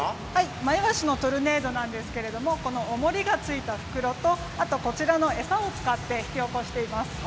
マイワシのトルネードなんですけれども、おもりのついた袋とあとこちらの餌を使って引き起こしています。